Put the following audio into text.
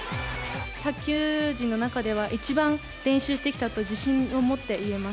卓球陣の中では、一番練習してきたと自信を持って言えます。